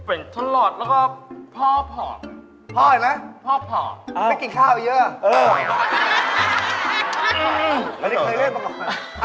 เอาแล้วให้ถ่ายกันนะ